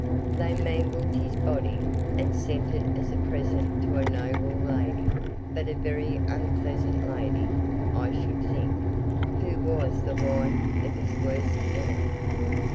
They mangled his body, and sent it as a present to a noble lady—but a very unpleasant lady, I should think—who was the wife of his worst enemy.